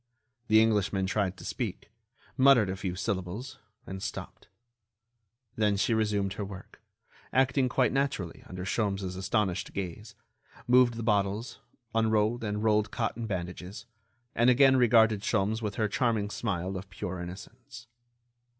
The Englishman tried to speak, muttered a few syllables, and stopped. Then she resumed her work, acting quite naturally under Sholmes' astonished gaze, moved the bottles, unrolled and rolled cotton bandages, and again regarded Sholmes with her charming smile of pure innocence.